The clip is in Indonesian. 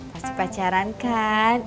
pasti pacaran kan